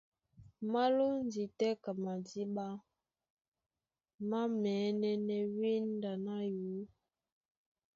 Má lóndi tɛ́ ka madíɓá, má mɛ̌nɛ́nɛ́ wínda ná yǔ.